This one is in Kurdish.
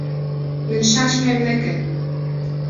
Min şaş fehm nekin